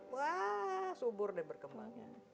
wah subur deh berkembangnya